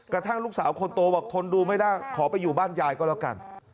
กระทั่งลูกสาวคนโตบอกทนดูไม่ได้ขอไปอยู่บ้านยายก็แล้วกัน